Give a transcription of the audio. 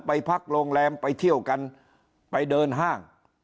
ไปพักโรงแรมไปเที่ยวกันไปเดินห้าง